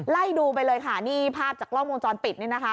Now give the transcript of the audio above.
ไล่ดูไปเลยค่ะนี่ภาพจากกล้องวงจรปิดนี่นะคะ